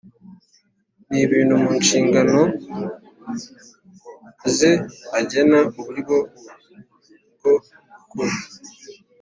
n ibintu mu nshingano ze agena uburyo bwo gukora